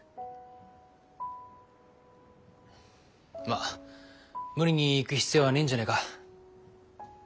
まっ無理に行く必要はねえんじゃねえか。